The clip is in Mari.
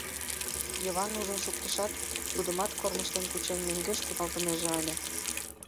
Йыван ужын шуктышат, тудымат, кормыжтен кучен, мӧҥгеш кудалтынеже ыле.